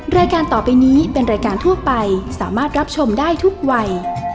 รายการต่อไปนี้เป็นรายการทั่วไปสามารถรับชมได้ทุกวัย